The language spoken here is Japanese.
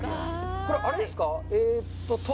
これ、あれですか？